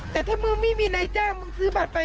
แต่ถ้ามึงไม่มีนายจ้างมึงซื้อบัตรไป